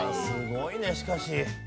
すごいねしかし。